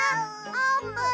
あーぷん。